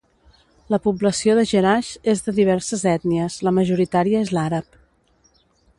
La població de Jerash és de diverses ètnies, la majoritària és l'àrab.